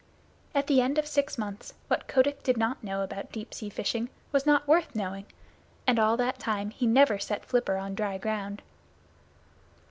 At the end of six months what Kotick did not know about deep sea fishing was not worth the knowing. And all that time he never set flipper on dry ground.